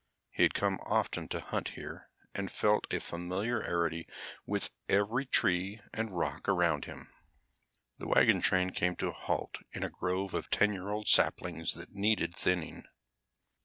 He had come often to hunt here and felt a familiarity with every tree and rock around him. The wagon train came to a halt in a grove of 10 year old saplings that needed thinning.